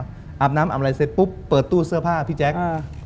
อาบน้ำอาบอะไรเสร็จปุ๊บเปิดตู้เสื้อผ้าพี่แจ๊ค